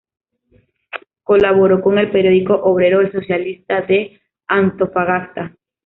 Colaboró con el periódico obrero "El Socialista" de Antofagasta.